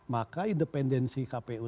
maka independensi kpu